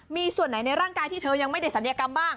มีส่วนไหนในร่างกายที่เธอยังไม่ได้ศัลยกรรมบ้าง